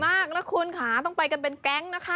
มากนะคุณค่ะต้องไปกันเป็นแก๊งนะคะ